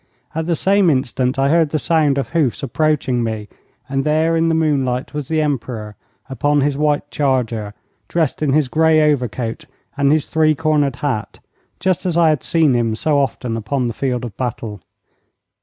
At the same instant I heard the sound of hoofs approaching me, and there in the moonlight was the Emperor upon his white charger, dressed in his grey overcoat and his three cornered hat, just as I had seen him so often upon the field of battle.